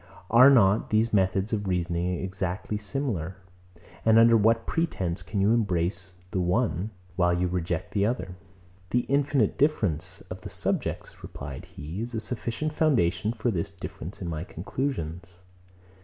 Are not these methods of reasoning exactly similar? And under what pretence can you embrace the one, while you reject the other? 112. The infinite difference of the subjects, replied he, is a sufficient foundation for this difference in my conclusions.